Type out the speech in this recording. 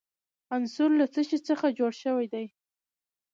عنصر له څه شي څخه جوړ شوی دی.